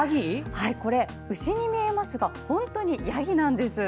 これ、牛に見えますが本当にヤギなんです。